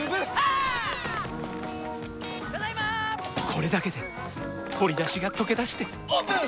これだけで鶏だしがとけだしてオープン！